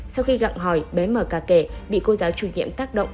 sau khi gặng hỏi bé mở ca kể bị cô giáo chủ nhiệm tác động